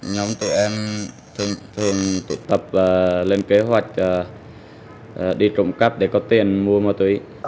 nhóm tụi em thường tụ tập và lên kế hoạch đi trộm cắp để có tiền mua ma túy